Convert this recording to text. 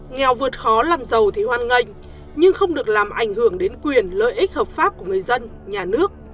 nghèo vượt khó làm giàu thì hoan nghênh nhưng không được làm ảnh hưởng đến quyền lợi ích hợp pháp của người dân nhà nước